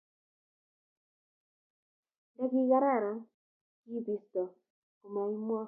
nta ki kararan, kiibistoi ko maimwa